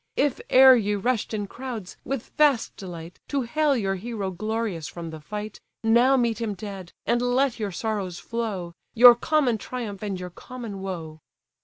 If e'er ye rush'd in crowds, with vast delight, To hail your hero glorious from the fight, Now meet him dead, and let your sorrows flow; Your common triumph, and your common woe."